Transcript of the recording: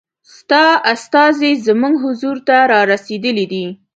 ستا استازی زموږ حضور ته را رسېدلی دی.